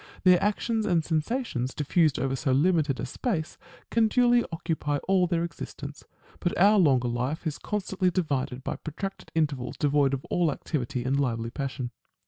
Their actions and sensations, diffused over so limited a space, can duly occupy all their exis tence ; but our longer life is constantly divided by protracted intervals devoid of all activity and lively passion.